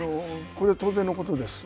これは当然のことです。